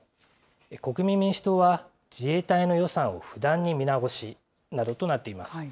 国民民主党は、自衛隊の予算を不断に見直しなどとなっています。